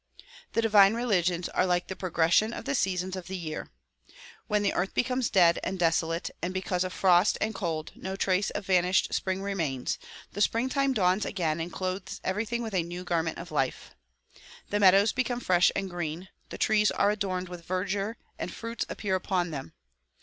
The divine religions are like the progression of the seasons of the year. When the earth becomes dead and desolate and because of frost and cold no trace of vanished spring remains, the spring time dawns again and clothes everything with a new garment of life. The meadows become fresh and green, the trees are adorned with verdure and fruits appear upon them.